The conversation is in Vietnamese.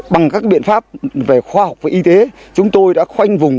bằng các biện pháp về khoa học và y tế chúng tôi đã khoanh vùng